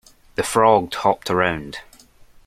The frog hopped around.